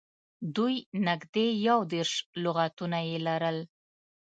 دوی نږدې یو دېرش لغاتونه یې لرل